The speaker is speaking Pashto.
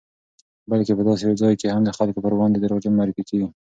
بلکې په داسې یو ځای کې هم د خلکو پر وړاندې دروغجن معرفي کېږي